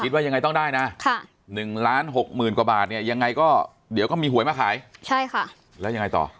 ว่ายังไงต้องได้นะ๑ล้านหกหมื่นกว่าบาทเนี่ยยังไงก็เดี๋ยวก็มีหวยมาขายใช่ค่ะแล้วยังไงต่อ